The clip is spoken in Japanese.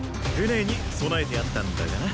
舟に備えてあったんだがな。